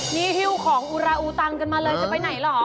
นี่ฮิ้วของอุราอูตันกันมาเลยจะไปไหนเหรอ